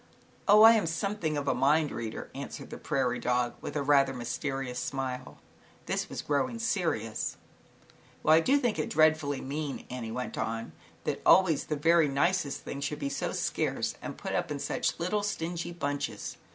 "Oh, I am something of a mind reader," answered the prairie dog, with a rather mysterious smile, This was growing serious. "Well, I do think it just dreadfully mean," Annie went on, "that always the very nicest things should be so scarce and put up in such little stingy bunches.